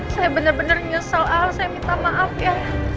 saya benar benar nyesel saya minta maaf ya